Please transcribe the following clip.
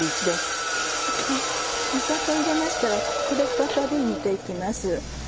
砂糖を入れましたらここで再び煮て行きます。